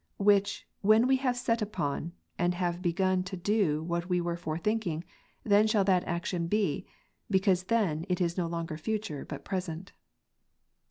Which, when we have set upon, and have begun to do what we were forethinking, then shall that action be ; because then it is no longer future, but present.